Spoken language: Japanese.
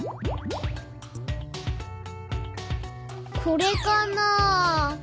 これかな？